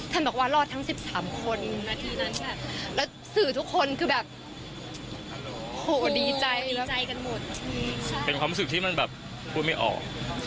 เป็นความรู้สึกที่ที่มันเพิ่งพูดไม่ออก